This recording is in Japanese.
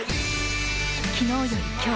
昨日より今日。